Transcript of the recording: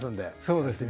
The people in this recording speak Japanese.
そうですね。